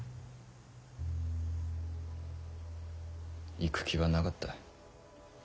行く気はなかった。